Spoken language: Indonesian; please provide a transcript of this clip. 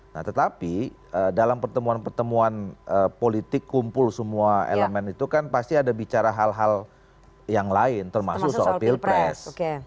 nah tetapi dalam pertemuan pertemuan politik kumpul semua elemen itu kan pasti ada bicara hal hal yang lain termasuk soal pilpres